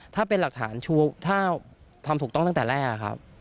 ถ้าเป็นหลักฐานชูถ้าทำถูกต้องตั้งแต่แรกครับ